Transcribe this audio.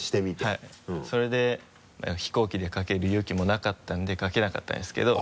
はいそれで飛行機でかける勇気もなかったんでかけなかったんですけど。